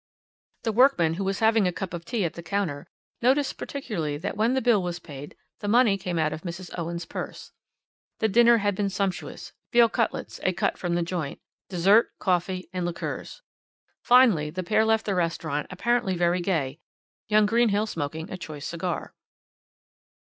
"The workman, who was having a cup of tea at the counter, noticed particularly that when the bill was paid the money came out of Mrs. Owen's purse. The dinner had been sumptuous veal cutlets, a cut from the joint, dessert, coffee and liqueurs. Finally the pair left the restaurant apparently very gay, young Greenhill smoking a choice cigar.